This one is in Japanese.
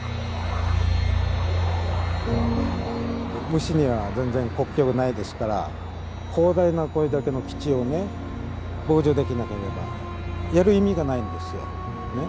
虫には全然国境がないですから広大なこれだけの基地をね防除できなければやる意味がないんですよ。ね。